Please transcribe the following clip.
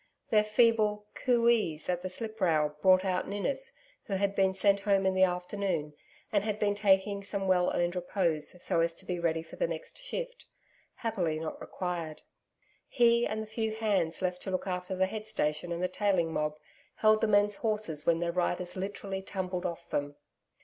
Their feeble COO EES at the sliprails brought out Ninnis, who had been sent home in the afternoon and had been taking some well earned repose so as to be ready for the next shift happily not required. He and the few hands left to look after the head station and the tailing mob held the men's horses when their riders literally tumbled off them.